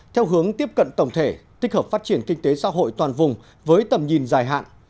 theo hướng tiếp cận tổng thể tích hợp phát triển kinh tế xã hội toàn vùng với tầm nhìn dài hạn